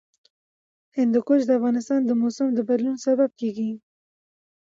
هندوکش د افغانستان د موسم د بدلون سبب کېږي.